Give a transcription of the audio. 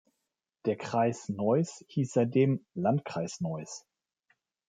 Der Kreis Neuß hieß seitdem "Landkreis Neuß".